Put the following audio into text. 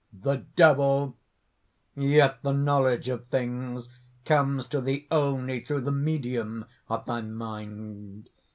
THE DEVIL. "Yet the knowledge of things comes to thee only through the medium of thy mind.